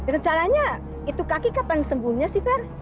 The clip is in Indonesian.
rencananya itu kaki kapan sembuhnya sih ver